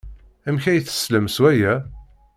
Amek ay teslam s waya?